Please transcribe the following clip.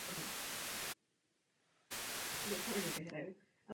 Chtěl bych ocenit vysokou profesionalitu švédského předsednictví.